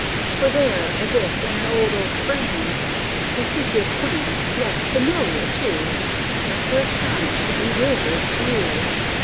For there, as if in an old oak frame, A figure quaint, yet familiar too, Met her astonished, bewildered view.